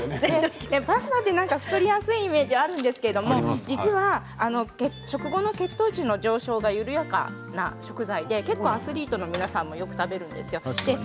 パスタは太りやすいイメージがあるんですが実は食後の血糖値の上昇度合いが緩やかな食材でアスリートの皆さんもよく食べるんです。